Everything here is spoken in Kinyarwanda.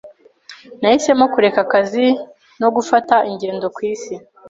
Nahisemo kureka akazi no gufata ingendo ku isi.